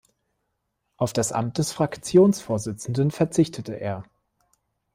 Auf das Amt des Fraktionsvorsitzenden verzichtete er.